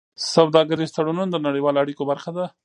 سوداګریز تړونونه د نړیوالو اړیکو برخه ده.